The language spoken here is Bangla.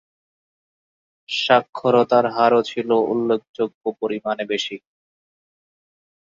সাক্ষরতার হারও ছিল উল্লেখযোগ্য পরিমাণে বেশি।